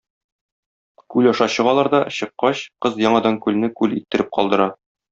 Күл аша чыгалар да, чыккач, кыз яңадан күлне күл иттереп калдыра.